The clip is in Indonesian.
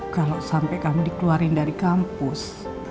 kalo sampe kamu dikeluarin dari kampus